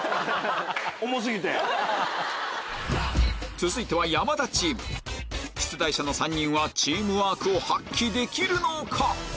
続いては出題者の３人はチームワークを発揮できるのか？